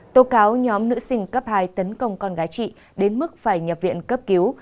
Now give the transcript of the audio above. tố cáo nhóm nữ sinh cấp hai tấn công con gái chị đến mức phải nhập viện cấp cứu